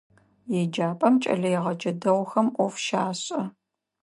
Еджапӏэм кӏэлэегъэджэ дэгъухэм ӏоф щашӏэ.